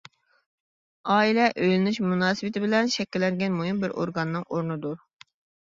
ئائىلە، ئۆيلىنىش مۇناسىۋىتى بىلەن شەكىللەنگەن مۇھىم بىر ئورگاننىڭ ئورنىدىدۇر.